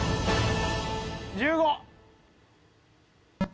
１５。